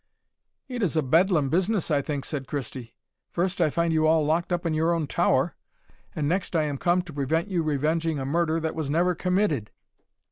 "It is a bedlam business, I think," said Christie. "First I find you all locked up in your own tower, and next I am come to prevent you revenging a murder that was never committed!"